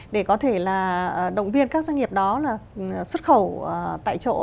để có thể là động viên các doanh nghiệp đó là xuất khẩu tại chỗ